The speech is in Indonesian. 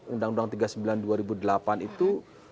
undang undang tiga puluh sembilan dua ribu delapan itu